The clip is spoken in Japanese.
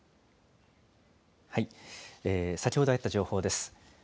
先ほど入った情報です。